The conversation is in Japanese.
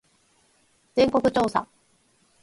全国調査